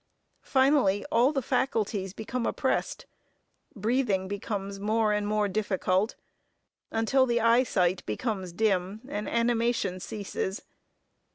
Finally, all the faculties become oppressed; breathing becomes more and more difficult; until the eye sight becomes dim, and animation ceases.